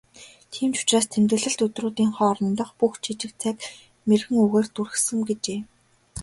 "Ийм ч учраас тэмдэглэлт өдрүүдийн хоорондох бүх жижиг зайг мэргэн үгээр дүүргэсэн" гэжээ.